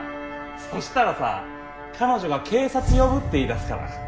そしたらさ彼女が警察呼ぶって言い出すから。